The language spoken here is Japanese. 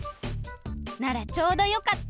ならちょうどよかった！